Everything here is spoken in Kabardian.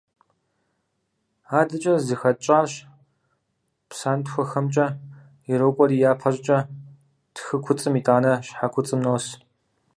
АдэкӀэ зыхэтщӀар псантхуэхэмкӀэ ирокӀуэри япэ щӀыкӀэ тхы куцӀым, итӀанэ щхьэ куцӀым нос.